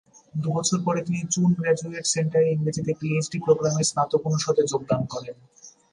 দু'বছর পরে তিনি চুন গ্র্যাজুয়েট সেন্টারে ইংরেজিতে পিএইচডি প্রোগ্রামের স্নাতক অনুষদে যোগদান করেন।